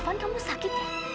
tuhan kamu sakit ya